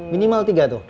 minimal tiga tuh